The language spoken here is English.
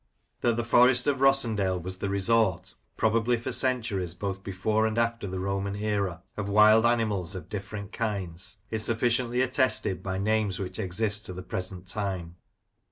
That the Forest of Rossendale was the resort, probably for centuries both before and after the Roman era, of wild animals of different kinds, is sufficiently attested by names which exist to the present time.